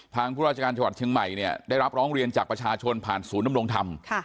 ทางผู้ราชการชาวัดเชียงใหม่เนี่ยได้รับร้องเรียนจากประชาชนผ่านศูนนโรงณ์ทำ